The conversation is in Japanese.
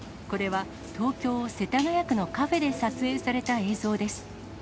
これは、東京・世田谷区のカフェで撮影された映像です。